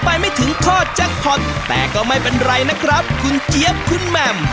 ถ่ายอะไรไม่ได้เรื่องเลยพี่